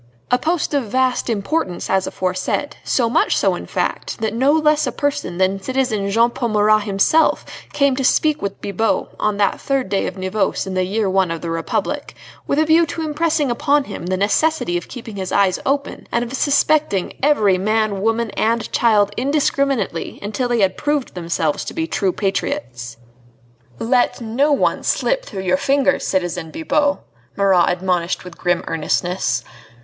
A post of vast importance as aforesaid; so much so, in fact, that no less a person than citizen Jean Paul Marat himself came to speak with Bibot on that third day of Nivose in the year I of the Republic, with a view to impressing upon him the necessity of keeping his eyes open, and of suspecting every man, woman, and child indiscriminately until they had proved themselves to be true patriots. "Let no one slip through your fingers, citizen Bibot," Marat admonished with grim earnestness.